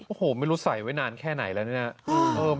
โอ้โหไม่รู้ใส่ไว้นานแค่ไหนแล้วเนี่ย